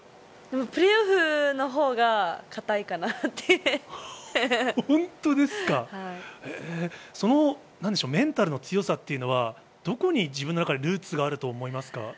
プレーオフのほうがかたいかメンタルの強さというのは、どこに自分の中にルーツがあると思いますか？